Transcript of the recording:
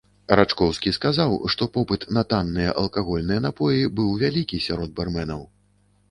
Рачкоўскі сказаў, што попыт на танныя алкагольныя напоі быў вялікі сярод барменаў.